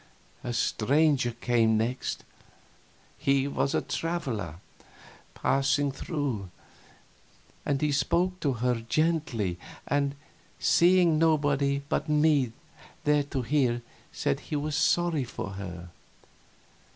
A stranger came next. He was a traveler, passing through; and he spoke to her gently, and, seeing nobody but me there to hear, said he was sorry for her.